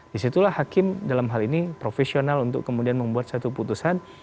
disitulah hakim dalam hal ini profesional untuk kemudian membuat satu putusan